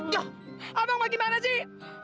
loh abang mau gimana sih